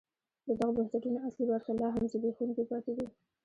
د دغو بنسټونو اصلي برخې لا هم زبېښونکي پاتې دي.